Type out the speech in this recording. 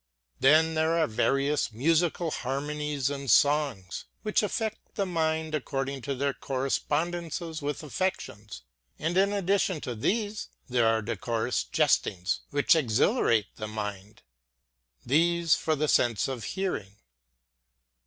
Then there are various musical harmonies and songs, which affect the mind according to their correspondences with affec tions ; and in addition to these, there are decorous jestings, which exhilarate the mind. These, for the sense of hearing.